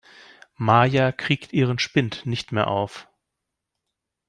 Maja kriegt ihren Spind nicht mehr auf.